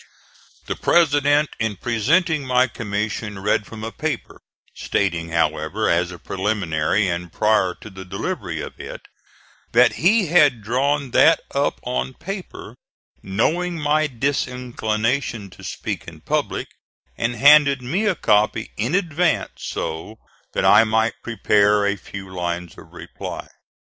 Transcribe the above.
The President in presenting my commission read from a paper stating, however, as a preliminary, and prior to the delivery of it, that he had drawn that up on paper, knowing my disinclination to speak in public, and handed me a copy in advance so that I might prepare a few lines of reply.